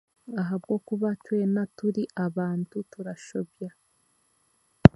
Ahabwokuba tweena turi abantu turashobya